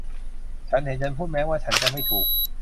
ฉันเห็นฉันพูดแม้ว่าฉันจะไม่ถูก